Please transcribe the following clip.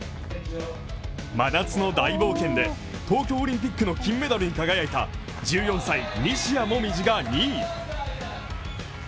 「真夏の大冒険」で東京オリンピックの金メダルに輝いた１４歳、西矢椛が２位。